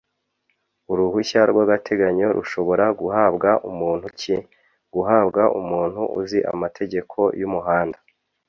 uruhushya rwagateganyo rushobora guhabwa umuntu ki? guhabwa umuntu uzi amategeko y’umuhanda